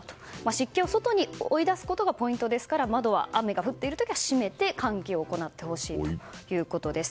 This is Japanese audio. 湿気を外に追い出すことがポイントですから雨が降っている時は窓を閉めて換気を行ってほしいということです。